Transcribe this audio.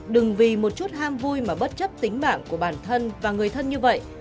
đừng vì một chút ham vui mà bất chấp tính mạng của bản thân và người thân như vậy